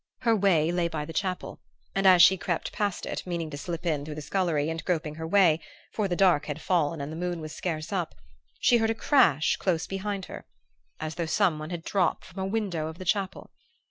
Her way lay by the chapel, and as she crept past it, meaning to slip in through the scullery, and groping her way, for the dark had fallen and the moon was scarce up, she heard a crash close behind her, as though someone had dropped from a window of the chapel.